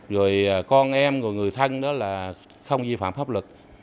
rồi con em rồi người thân đó là không vi phạm pháp luật